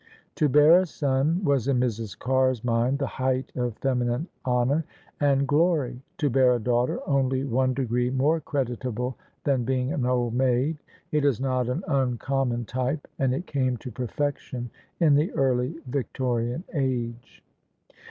To bear a son was in Mrs. Carr's mind the height of feminine honour and glory: to bear a daughter, only one degree more creditable than being an old maid. It is not an uncommon type: and It came to perfection in the early Victorian age.